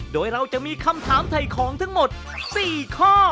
โดยเราจะมีคำถามถ่ายของทั้งหมด๔ข้อ